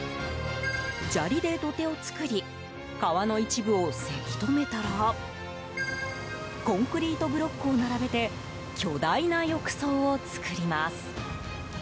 砂利で土手を作り川の一部をせき止めたらコンクリートブロックを並べて巨大な浴槽を作ります。